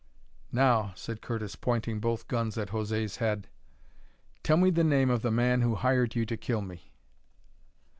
"Now," said Curtis, pointing both guns at José's head, "tell me the name of the man who hired you to kill me."